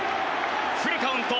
フルカウント。